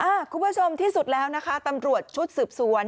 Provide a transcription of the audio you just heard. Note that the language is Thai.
คุณผู้ชมที่สุดแล้วนะคะตำรวจชุดสืบสวน